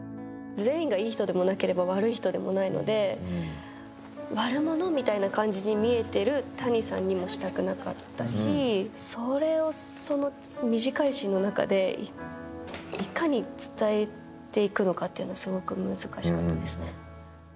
全員がいい人でもないし、悪い人でもないので悪者とされている谷さんにもしたくなかったし、それをその短い詩の中でいかに伝えていくのかというのがすごく難しかったですね。